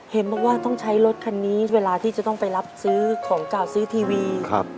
เห็นบอกว่าต้องใช้รถคันนี้เวลาที่จะต้องไปรับซื้อของเก่าซื้อทีวี